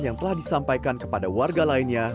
yang telah disampaikan kepada warga lainnya